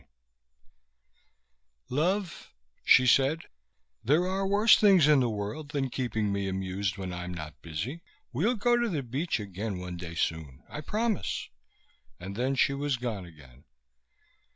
XII "Love," she said, "there are worse things in the world than keeping me amused when I'm not busy. We'll go to the beach again one day soon, I promise." And she was gone again.